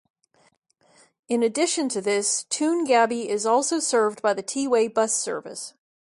In addition to this, Toongabbie is also served by the T-Way bus service.